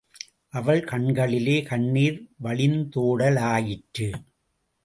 அவள் கண்களிலே கண்ணீர் வழிந்தோடலாயிற்று.